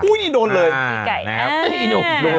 โอ้ยโดนเลยปีไก่นะครับตื้อไอ้หนู